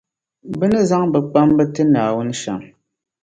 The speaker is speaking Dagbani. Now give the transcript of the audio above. Bɛ ni zaŋ bikpamba ti Naawuni shɛm.